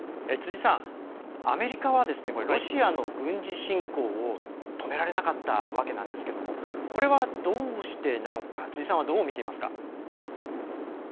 辻さん、アメリカはロシアの軍事侵攻を止められなかったわけなんですがこれはどうしてなのか辻さんは、どう見ていますか？